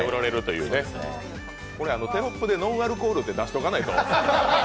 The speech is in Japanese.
これ、テロップでノンアルコールって出しとかないと。